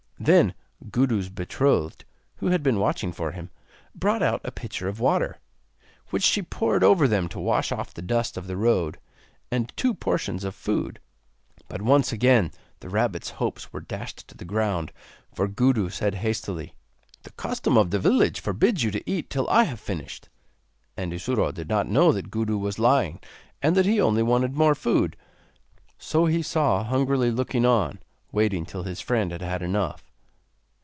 Then Gudu's betrothed, who had been watching for him, brought out a pitcher of water which she poured over them to wash off the dust of the road and two portions of food. But once again the rabbit's hopes were dashed to the ground, for Gudu said hastily: 'The custom of the village forbids you to eat till I have finished.' And Isuro did not know that Gudu was lying, and that he only wanted more food. So he saw hungrily looking on, waiting till his friend had had enough.